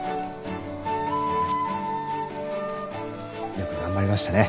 よく頑張りましたね。